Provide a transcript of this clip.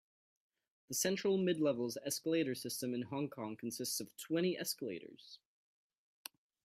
The Central-Midlevels escalator system in Hong Kong consists of twenty escalators.